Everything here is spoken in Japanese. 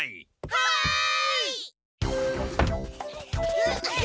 はい！